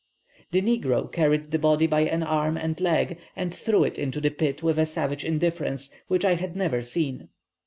The negro carried the body by an arm and leg, and threw it into the pit with a savage indifference such as I had never seen.